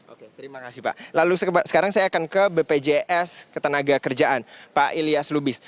oke terima kasih pak lalu sekarang saya akan ke bpjs ketenaga kerjaan pak ilyas lubis